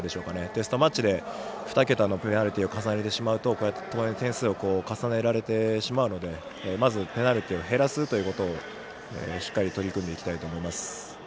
テストマッチで２桁のペナルティーを重ねてしまうと点数を重ねられてしまうのでまず、ペナルティーを減らすことに取り組みたいと思います。